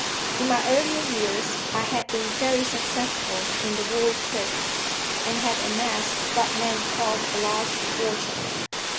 In my earlier years I had been very successful in the wool trade, and had amassed what men called a large fortune.